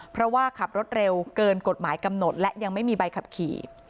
เพราะว่าขับรถเร็วเกินกฎหมายกำหนดและยังไม่มีใบขับขี่